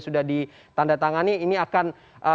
sudah ditandatangani ini akan